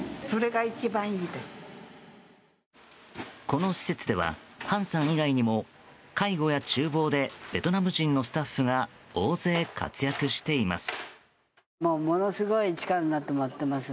この施設ではハンさん以外にも介護や厨房でベトナム人のスタッフが大勢活躍しています。